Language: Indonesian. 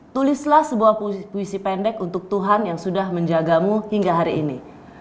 tulislah sebuah puisi pendek untuk tuhan yang sudah menjagamu hingga hari ini